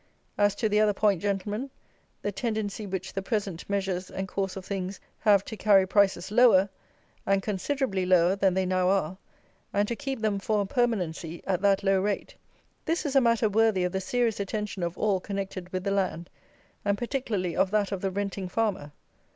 As to the other point, Gentlemen, the tendency which the present measures and course of things have to carry prices lower, and considerably lower than they now are, and to keep them for a permanency at that low rate, this is a matter worthy of the serious attention of all connected with the land, and particularly of that of the renting farmer.